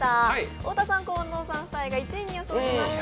太田さん、近藤さん夫妻が１位に予想しました